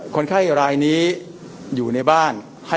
คนไข้รายนี้อยู่ในบ้าน